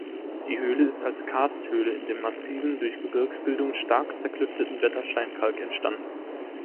Die Höhle ist als Karsthöhle in dem massiven, durch Gebirgsbildung stark zerklüfteten Wettersteinkalk entstanden.